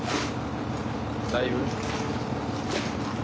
だいぶ。